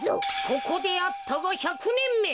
ここであったが１００ねんめ。